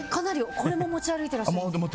これも持ち歩いていらっしゃるんですか？